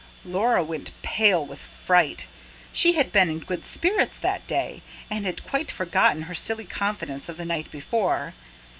Laura went pale with fright: she had been in good spirits that day, and had quite forgotten her silly confidence of the night before.